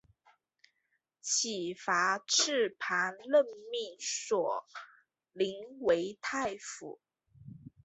乞伏炽磐任命索棱为太傅。